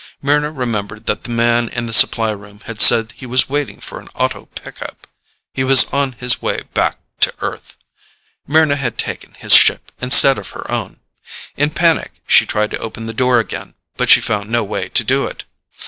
Mryna remembered that the man in the supply room had said he was waiting for an auto pickup; he was on his way back to Earth. Mryna had taken his ship instead of her own. In panic she tried to open the door again, but she found no way to do it.